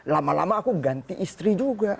lama lama aku ganti istri juga